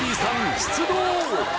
出動！